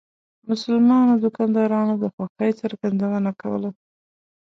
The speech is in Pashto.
مسلمانو دکاندارانو د خوښۍ څرګندونه کوله.